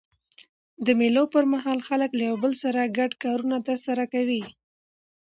د مېلو پر مهال خلک له یو بل سره ګډ کارونه ترسره کوي.